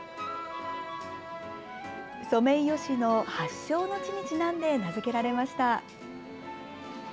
ソメイヨシノ発祥の地にちなんで名付けられました。